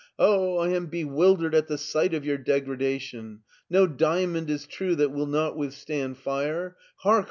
" Oh, I am bewildered at the sight of your degradation! No diamond is true that will not withstand fire. Hark